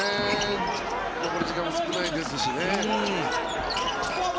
残り時間も少ないですしね。